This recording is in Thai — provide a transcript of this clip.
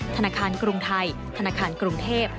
ธนาคารกรุงไทยธนาคารกรุงเทพ